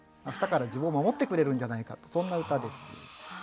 明日から自分を守ってくれるんじゃないかとそんな歌です。